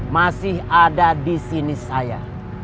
masih ada disini saya